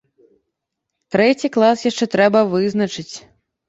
Трэці клас яшчэ трэба вызначыць.